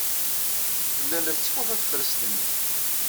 Tella la tettfuḥu tefrest-nni.